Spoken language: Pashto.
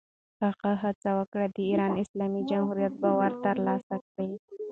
هغه هڅه وکړه، د ایران اسلامي جمهوریت باور ترلاسه کړي.